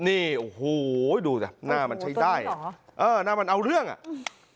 นี่โอ้โหดูสิหน้ามันใช้ได้เหรอเออหน้ามันเอาเรื่องอ่ะอืม